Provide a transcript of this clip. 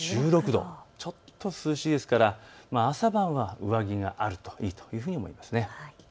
１６度ちょっと涼しいですから朝晩は上着があるといいというふうに思います。